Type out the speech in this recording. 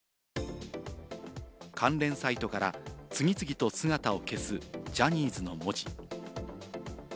関連サイトから次々と姿を消す、ジャニーズの文字。